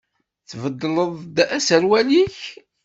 Tbeddleḍ-d aserwal-ik?